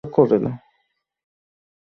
যিনি আমাকে সবুজ ঘাসে মাথা নত করিয়েছেন।